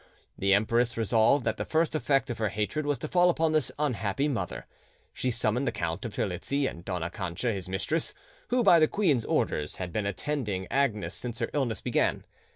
The empress resolved that the first effect of her hatred was to fall upon this unhappy mother. She summoned the Count of Terlizzi and Dona Cancha, his mistress, who by the queen's orders had been attending Agnes since her illness began.